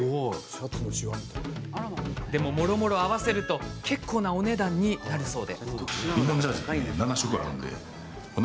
でも、もろもろ合わせると結構なお値段になるそうで。